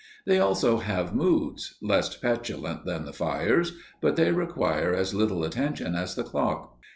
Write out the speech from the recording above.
They also have moods less petulant than the fire's but they require as little attention as the clock.